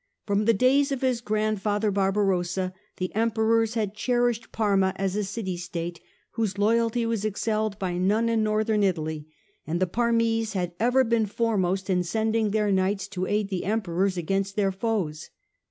From the days of his grandfather, Barbarossa, the Emperors had cherished Parma as a city state whose loyalty was excelled by none in Northern Italy, and the Parmese had ever been foremost in sending their knights to aid the Emperors against their foes.